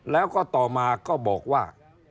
แล้วก็ต่อมาก็บอกว่า